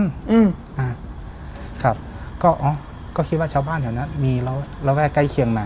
อืมอ่าครับก็อ๋อก็คิดว่าชาวบ้านแถวนั้นมีระแวกใกล้เคียงมา